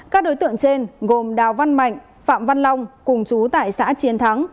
các đối tượng trên gồm đào văn mạnh phạm văn long cùng chú tại xã chiến thắng